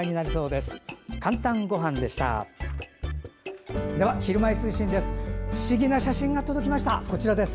では、「ひるまえ通信」です。